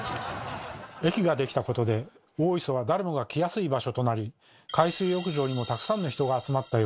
駅ができたことで大磯は誰もが来やすい場所となり海水浴場にもたくさんの人が集まったようです。